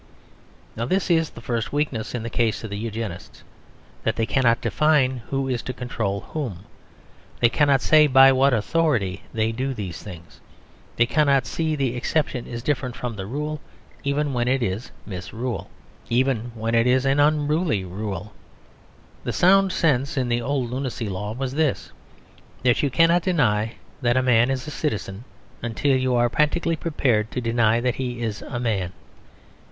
Now this is the first weakness in the case of the Eugenists: that they cannot define who is to control whom; they cannot say by what authority they do these things. They cannot see the exception is different from the rule even when it is misrule, even when it is an unruly rule. The sound sense in the old Lunacy Law was this: that you cannot deny that a man is a citizen until you are practically prepared to deny that he is a man.